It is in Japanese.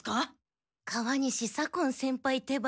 川西左近先輩ってば。